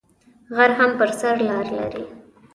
غر هم پر سر لار لری